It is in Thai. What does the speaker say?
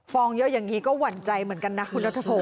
เยอะอย่างนี้ก็หวั่นใจเหมือนกันนะคุณนัทพงศ